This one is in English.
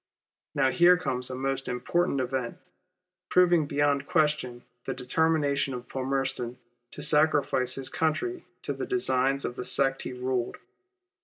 Now here comes a most important event, proving beyond question the determination of Palmerston to sacrifice his country to the designs of the sect he ruled.